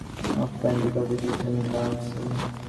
ওহ Fred, বিকেলটা কি সুন্দরই না ছিল।